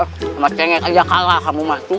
cuma cengit saja kalah kamu mas